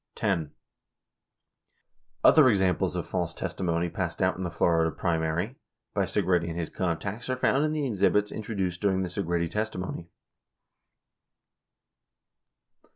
76 10. Other examples of false literature passed out in the Florida pri mary by Segretti and his contacts are found in the exhibits introduced during the Segretti testimony.